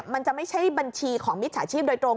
มันจะไม่ใช่บัญชีของมิจฉาชีพโดยตรง